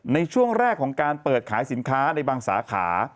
ในช่วงแรกของการเปิดขายสินค้าในบางสาขา